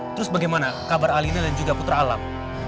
terus bagaimana kabar alina dan juga putra alam